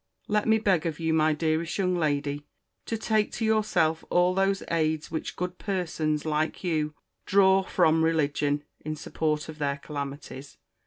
Let me beg of you, my dearest young lady, to take to yourself all those aids which good persons, like you, draw from RELIGION, in support of their calamities.